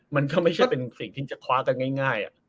มันก็ไม่ใช่เป็นสิ่งที่จะคว้ากันง่าย